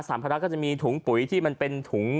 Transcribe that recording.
สรรพระรักษย์ก็จะมีถุงปุ๋ยที่มันเป็นถุง